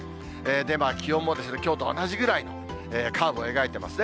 で、気温もきょうと同じぐらい、カーブを描いてますね。